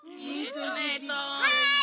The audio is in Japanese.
はい！